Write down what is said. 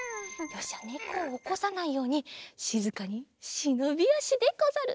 よしじゃねこをおこさないようにしずかにしのびあしでござる。